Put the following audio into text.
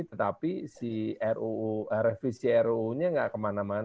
tetapi si ruu revisi ruu nya nggak kemana mana